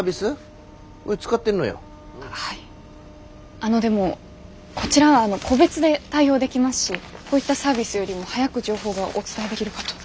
あのでもこちら個別で対応できますしこういったサービスよりも早く情報がお伝えできるかと。